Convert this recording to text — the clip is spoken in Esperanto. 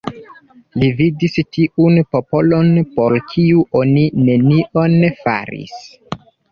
Li vidis tiun popolon, por kiu oni nenion faris.